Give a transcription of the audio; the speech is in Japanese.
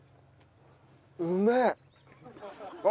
うめえ。